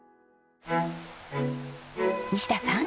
西田さん。